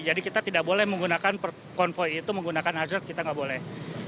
jadi kita tidak boleh menggunakan konvoy itu menggunakan hazard kita tidak boleh